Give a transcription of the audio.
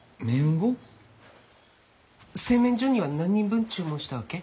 製麺所には何人分注文したわけ？